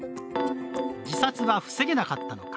自殺は防げなかったのか。